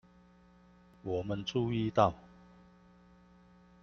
我們注意到